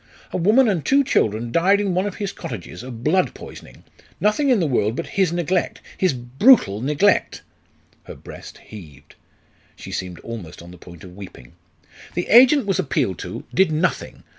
A woman and two children died in one of his cottages of blood poisoning nothing in the world but his neglect his brutal neglect!" Her breast heaved; she seemed almost on the point of weeping. "The agent was appealed to did nothing.